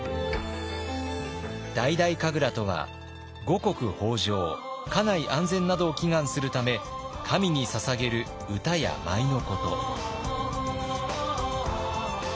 大々神楽とは五穀豊穣家内安全などを祈願するため神にささげる歌や舞のこと。